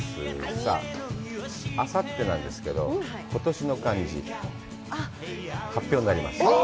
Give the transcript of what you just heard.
さあ、あさってなんですけど、ことしの漢字、発表になります。